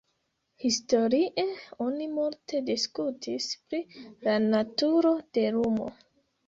Historie oni multe diskutis pri la naturo de lumo.